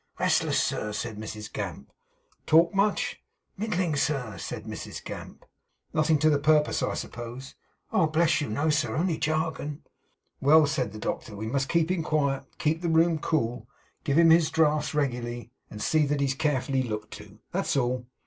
'Restless, sir,' said Mrs Gamp. 'Talk much?' 'Middling, sir,' said Mrs Gamp. 'Nothing to the purpose, I suppose?' 'Oh bless you, no, sir. Only jargon.' 'Well!' said the doctor, 'we must keep him quiet; keep the room cool; give him his draughts regularly; and see that he's carefully looked to. That's all!